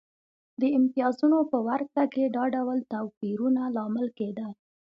د امتیازونو په ورکړه کې دا ډول توپیرونه لامل کېده.